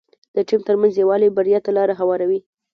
د ټيم ترمنځ یووالی بریا ته لاره هواروي.